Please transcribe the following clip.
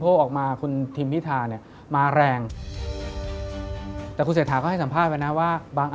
ผมเองกับคุณอุ้งอิ๊งเองเราก็รักกันเหมือนน้อง